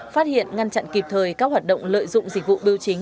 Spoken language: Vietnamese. phát hiện ngăn chặn kịp thời các hoạt động lợi dụng dịch vụ biểu chính